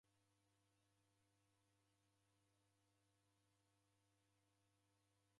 Mngulu wakangwa na nazi